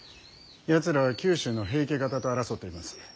やつらは九州の平家方と争っています。